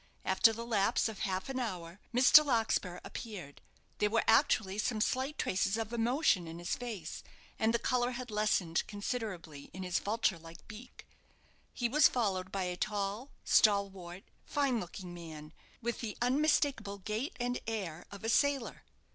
After the lapse of half an hour, Mr. Larkspur appeared. There were actually some slight traces of emotion in his face, and the colour had lessened considerably in his vulture like beak. He was followed by a tall, stalwart, fine looking man, with the unmistakeable gait and air of a sailor.